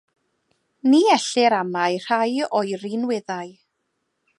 Ni ellir amau rhai o'i rinweddau.